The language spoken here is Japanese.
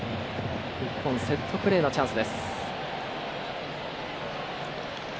セットプレーのチャンス。